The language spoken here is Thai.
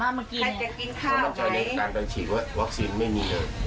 ใครจะกินข้าวไง